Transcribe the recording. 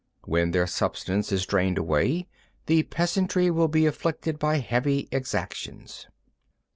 12. When their substance is drained away, the peasantry will be afflicted by heavy exactions.